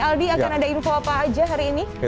aldi akan ada info apa aja hari ini